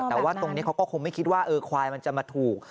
แต่ว่าตรงนี้เขาก็คงไม่คิดว่าควายมันจะมาถูก